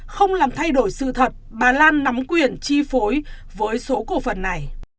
không làm thay đổi sự thật bà lan nắm quyền chi phối với số cổ phần này